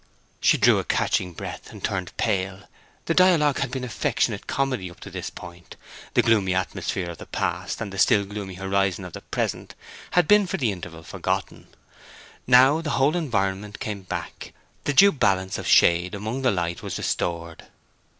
She drew a catching breath, and turned pale. The dialogue had been affectionate comedy up to this point. The gloomy atmosphere of the past, and the still gloomy horizon of the present, had been for the interval forgotten. Now the whole environment came back, the due balance of shade among the light was restored.